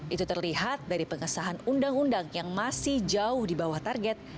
itu terlihat dari pengesahan undang undang yang masih jauh di bawah target